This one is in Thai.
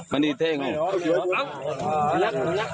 มันดีเท่งอ่ะ